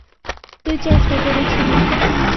তুই চেষ্টা করেছিলি।